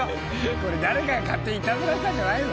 これ誰かが勝手にイタズラしたんじゃないの？